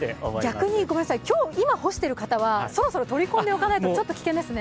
逆に今、干してる方はそろそろ取り込んでおかないと危険ですね。